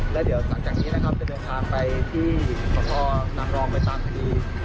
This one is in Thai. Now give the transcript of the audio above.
แล้วเดี๋ยวหลังจากนี้นะครับจะเดินทางไปที่สพนางรองไปตามคดี